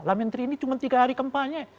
lah menteri ini cuma tiga hari kampanye